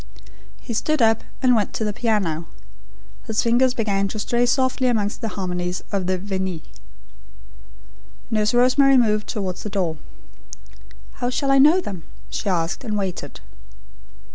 He stood up, and went to the piano. His fingers began to stray softly amongst the harmonies of the Veni. Nurse Rosemary moved towards the door. "How shall I know them?" she asked, and waited.